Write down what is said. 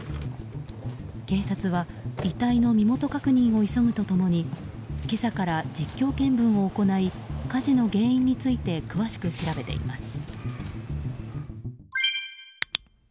警察は遺体の身元確認を急ぐと共に今朝から実況見分を行い火事の原因について詳しく調べています。